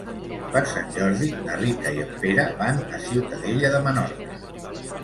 Per Sant Jordi na Rita i en Pere van a Ciutadella de Menorca.